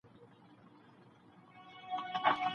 ایا ړوند ښوونکي په ګڼ ځای کي اوږده کیسه کوي؟